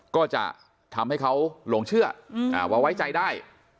ก็จะทำให้เขาหลงเชื่อว่าไว้ใจได้